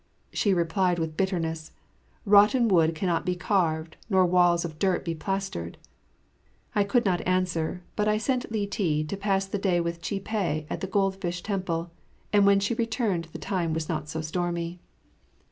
She replied with bitterness, "Rotten wood cannot be carved nor walls of dirt be plastered." I could not answer, but I sent Li ti to pass the day with Chih peh at the Goldfish Temple, and when she returned the time was not so stormy.